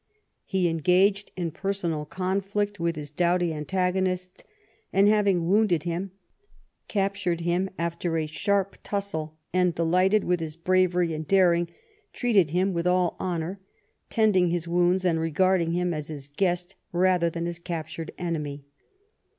He engaged in personal conflict with his doughty antagonist, and having wounded him, captured him after a sharp tussle, and, delighted with his bravery and daring, treated him with all honour, tending his wounds, and regarding him as his guest rather than his captured enemy.